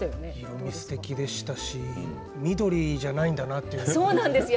色み、すてきでしたし緑じゃないんだなと思いました。